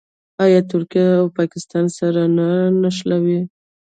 آیا ترکیه او پاکستان سره نه نښلوي؟